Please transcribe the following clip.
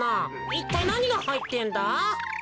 いったいなにがはいってんだ？